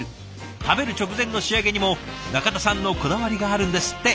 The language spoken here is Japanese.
食べる直前の仕上げにも中田さんのこだわりがあるんですって。